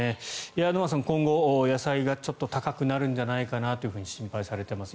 沼津さん、今後野菜がちょっと高くなるんじゃないかなと心配されています。